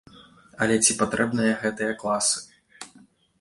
Але ці патрэбныя гэтыя класы?